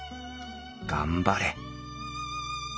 頑張れ！